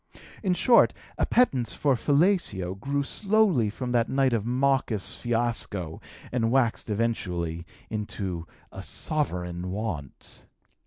In short, appetence for fellatio grew slowly from the night of that mawkish fiasco and waxed eventually into a sovereign want.